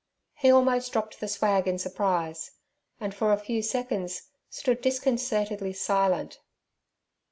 He almost dropped the swag in his surprise, and for a few seconds stood disconcertedly silent.